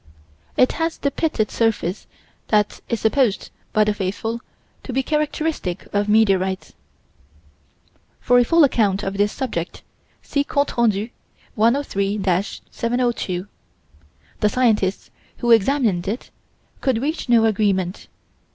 It has the pitted surface that is supposed by the faithful to be characteristic of meteorites. For a full account of this subject, see Comptes Rendus, 103 702. The scientists who examined it could reach no agreement.